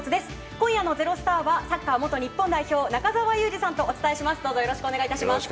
今夜の「＃ｚｅｒｏｓｔａｒ」はサッカー元日本代表中澤佑二さんとお伝えします。